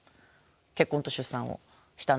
結婚と出産をしたんですけど。